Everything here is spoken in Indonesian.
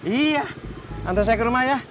iya nanti saya ke rumah ya